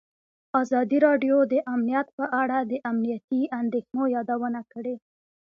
ازادي راډیو د امنیت په اړه د امنیتي اندېښنو یادونه کړې.